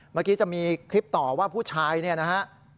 เมื่อกี้จะมีคลิปต่อว่าผู้ชายเนี่ยนะฮะ